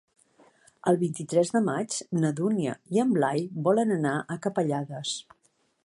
El vint-i-tres de maig na Dúnia i en Blai volen anar a Capellades.